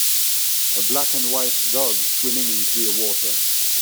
A black and white dog swimming in clear water.